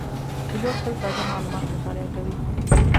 پیلوټ تل تازه معلومات مطالعه کوي.